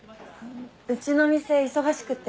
うちの店忙しくって。